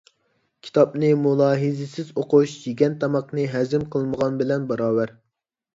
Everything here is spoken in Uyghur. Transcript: كىتابنى مۇلاھىزىسىز ئوقۇش، يېگەن تاماقنى ھەزىم قىلمىغان بىلەن باراۋەر.